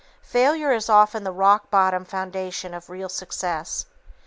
Failure is often the rock bottom foundation of real success.